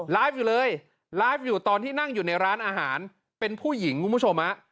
อยู่เลยไลฟ์อยู่ตอนที่นั่งอยู่ในร้านอาหารเป็นผู้หญิงคุณผู้ชมฮะ